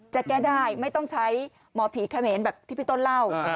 จะแก้ได้ไม่ต้องใช้หมอผีเขมรแบบที่พี่ต้นเล่า